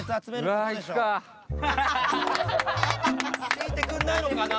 聞いてくんないのかな。